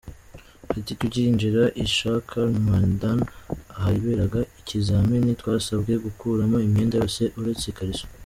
Ati” Tukinjira i Chakkar Maidan ahaberaga ikizami, twasabwe gukuramo imyenda yose uretse ikariso.